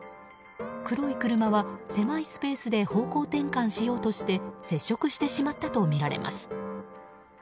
黒い車は、狭いスペースで方向転換しようとして接触してしまったとみられます。